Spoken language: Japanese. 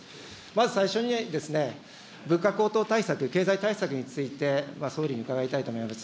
まず最初に、物価高騰対策、経済対策について、総理に伺いたいと思います。